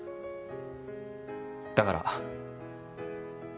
だから。